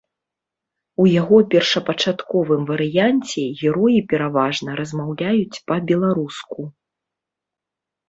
У яго першапачатковым варыянце героі пераважна размаўляюць па-беларуску.